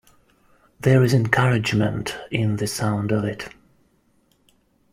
There is encouragement in the sound of it.